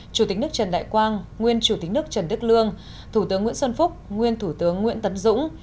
chủ tịch nước trần đại quang nguyên chủ tịch nước trần đức lương thủ tướng nguyễn xuân phúc nguyên thủ tướng nguyễn tấn dũng